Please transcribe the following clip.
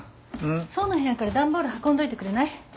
想の部屋から段ボール運んどいてくれない？